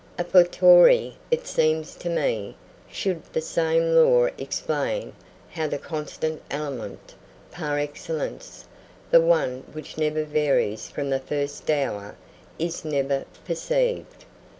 A fortiori, it seems to me, should the same law explain how the constant element par excellence, the one which never varies from the first hour, is never perceived.